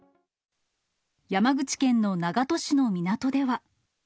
山口県の長門市の港では。